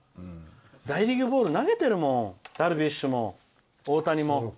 大リーグボール投げてるもんダルビッシュも大谷も。